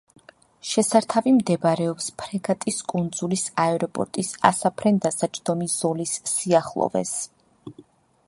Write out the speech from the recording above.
შესართავი მდებარეობს ფრეგატის კუნძულის აეროპორტის ასაფრენ-დასაჯდომი ზოლის სიახლოვეს.